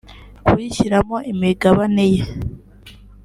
kuyishyiramo imigabane ye